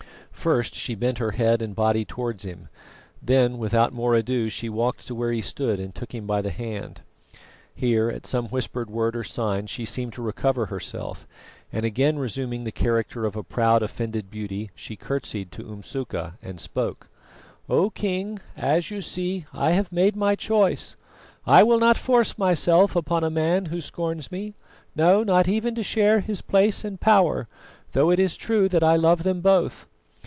First she bent her head and body towards him, then without more ado she walked to where he stood and took him by the hand. Here, at some whispered word or sign, she seemed to recover herself, and again resuming the character of a proud offended beauty, she curtseyed to Umsuka, and spoke: "O King, as you see, I have made my choice. I will not force myself upon a man who scorns me, no, not even to share his place and power, though it is true that I love them both.